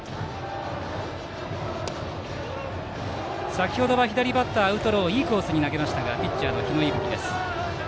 先程は左バッターのアウトローいいコースに投げたピッチャーの日野勇吹。